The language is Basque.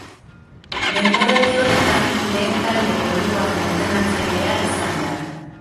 Denboraldi honetan lehen taldeko hirugarren entrenatzailea izan da.